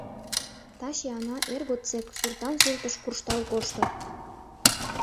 Таче Ана эр годсек суртан-суртыш куржтал кошто...